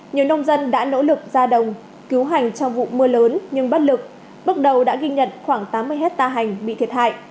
nhiều nông dân đã nỗ lực ra đồng cứu hành trong vụ mưa lớn nhưng bất lực bước đầu đã ghi nhận khoảng tám mươi hectare hành bị thiệt hại